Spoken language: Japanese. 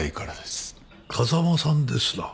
風間さんですな？